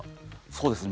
そうですね。